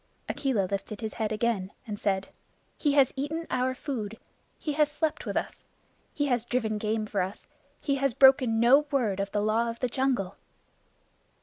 Akela lifted his head again and said, "He has eaten our food. He has slept with us. He has driven game for us. He has broken no word of the Law of the Jungle."